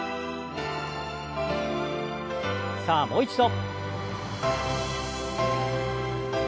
さあもう一度。